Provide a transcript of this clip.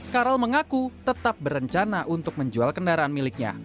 karel mengaku tetap berencana untuk menjual kendaraan miliknya